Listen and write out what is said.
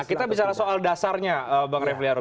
nah kita bicara soal dasarnya bang refli harum